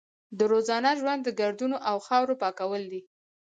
د روزانه ژوند د ګردونو او خاورو پاکول دي.